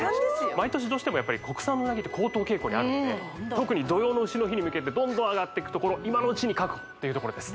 毎年どうしてもやっぱり国産のうなぎって高騰傾向にあるので特に土用の丑の日に向けてどんどん上がっていくところ今のうちに確保っていうところです